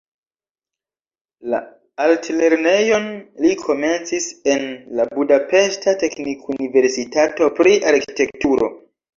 La altlernejon li komencis en la budapeŝta teknikuniversitato pri arkitekturo.